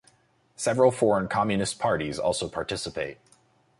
Several foreign communist parties also participate.